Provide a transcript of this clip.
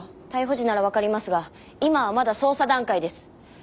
逮捕時ならわかりますが今はまだ捜査段階です。